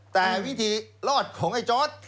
แต่วิธีรอดของไอ้จอร์ด